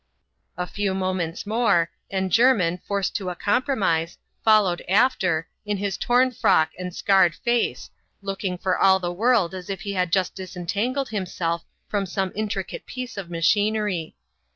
A few moments more, and Jermin, forced to a compromise, followed after, in his torn frock and scarred face, looking for all the world as if he had just disentangled himself from some intricate piece of machinery.